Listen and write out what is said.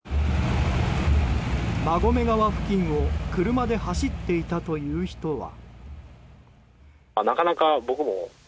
馬込川付近を車で走っていたという人は。